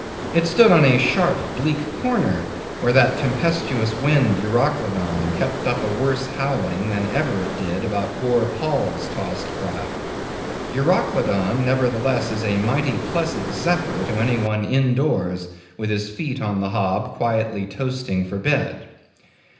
It stood on a sharp bleak corner, where that tempestuous wind Euroclydon kept up a worse howling than ever it did about poor Paul's tossed craft. Euroclydon, nevertheless, is a mighty pleasant zephyr to any one in doors, with his feet on the hob quietly toasting for bed.